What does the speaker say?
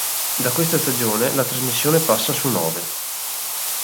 Da questa stagione la trasmissione passa su Nove.